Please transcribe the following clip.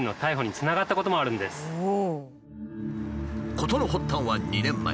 事の発端は２年前。